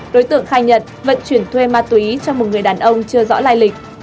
đối tượng khai nhận vận chuyển thuê ma túy cho một người đàn ông chưa rõ lai lịch